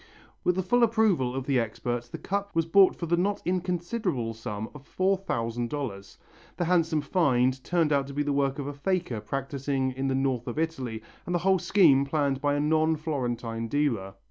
With the full approval of the experts the cup was bought for the not inconsiderable sum of four thousand dollars. The handsome find turned out to be the work of a faker practising in the North of Italy and the whole scheme planned by a non Florentine dealer.